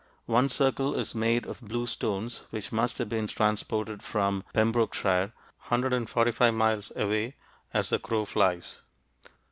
One circle is made of blue stones which must have been transported from Pembrokeshire, 145 miles away as the crow flies.